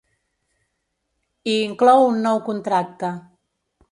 I inclou un nou contracte.